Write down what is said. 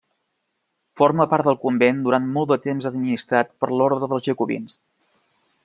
Forma part del convent durant molt de temps administrat per l'ordre dels Jacobins.